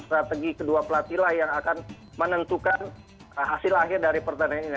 strategi kedua pelatihlah yang akan menentukan hasil akhir dari pertandingan ini